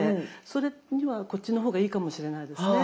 それにはこっちの方がいいかもしれないですね。